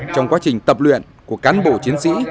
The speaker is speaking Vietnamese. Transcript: trong quá trình tập luyện của cán bộ chiến sĩ